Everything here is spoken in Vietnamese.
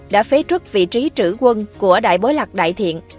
đã phế trức vị trí trữ quân của đại bối lạc đại thiện